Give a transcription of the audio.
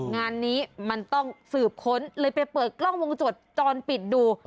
งานนี้มันต้องสืบค้นเลยไปเปิดกล้องวงจรปิดดู